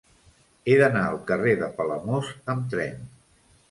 He d'anar al carrer de Palamós amb tren.